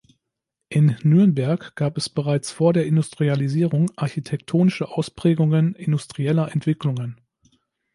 In Nürnberg gab es bereits vor der Industrialisierung architektonische Ausprägungen industrieller Entwicklungen.